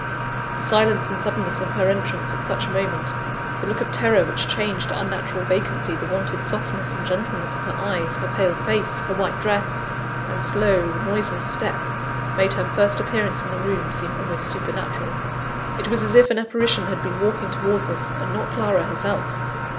The silence and suddenness of her entrance at such a moment; the look of terror which changed to unnatural vacancy the wonted softness and gentleness of her eyes, her pale face, her white dress, and slow, noiseless step, made her first appearance in the room seem almost supernatural; it was as if an apparition had been walking towards us, and not Clara herself!